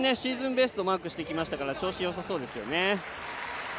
ベストマークしてきましたから調子よさそうですね。